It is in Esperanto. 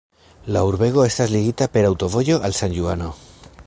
La urbego estas ligita per aŭtovojo al San-Juano.